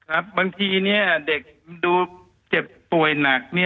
บางทีเด็กดูเจ็บป่วยหนัก